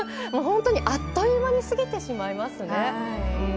本当にあっという間に過ぎてしまいますね。